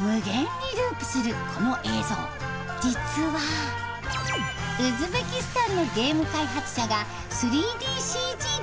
無限にループするこの映像実はウズベキスタンのゲーム開発者が３ＤＣＧで作ったもの。